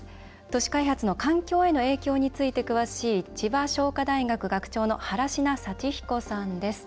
都市開発の環境への影響について詳しい千葉商科大学学長の原科幸彦さんです。